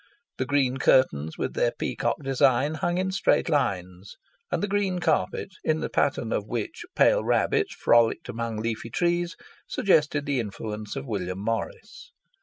The green curtains with their peacock design, hung in straight lines, and the green carpet, in the pattern of which pale rabbits frolicked among leafy trees, suggested the influence of William Morris.